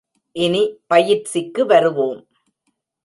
இனி பயிற்சிக்கு வருவோம்.